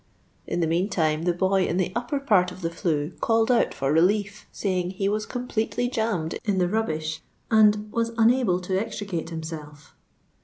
In the mean time the boy in the upper port of the flue called out for relief, saying, he was completely jammed in the rubbish and was unable to extricate himself.